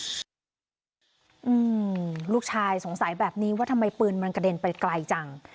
อืมลูกชายสงสัยแบบนี้ว่าทำไมปืนมันกระเด็นไปไกลจัง